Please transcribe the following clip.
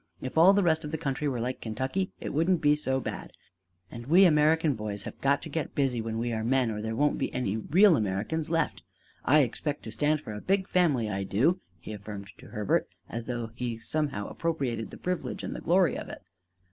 If all the rest of the country were like Kentucky, it wouldn't be so bad. And we American boys have got to get busy when we are men, or there won't be any real Americans left: I expect to stand for a big family, I do," he affirmed to Herbert as though he somehow appropriated the privilege and the glory of it.